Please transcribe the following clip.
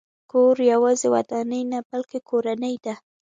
کور یوازې ودانۍ نه، بلکې کورنۍ ده.